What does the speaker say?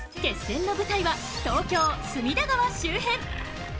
決戦の舞台は東京・隅田川周辺。